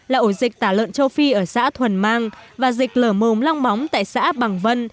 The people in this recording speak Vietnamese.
là ổ dịch tả lợn châu phi ở xã thuần mang và dịch lở mồm long móng tại xã bằng vân